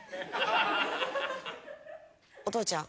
お父ちゃん